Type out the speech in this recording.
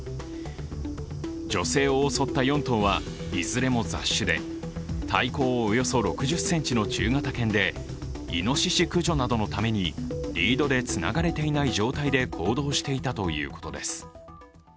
女性を襲った４頭はいずれも雑種で体高およそ６０ｃｍの中型犬でいのしし駆除などのためにリードでつながれていない状態で行動していたということです。